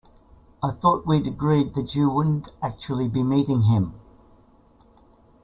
I thought we'd agreed that you wouldn't actually be meeting him?